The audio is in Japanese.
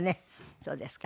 そうですか。